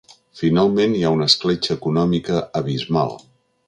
Finalment, hi ha una escletxa econòmica abismal.